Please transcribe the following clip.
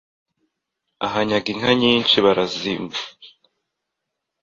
ahanyaga inka nyinshi barazambukana